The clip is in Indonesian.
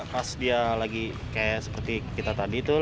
pas dia lagi kayak seperti kita tadi tuh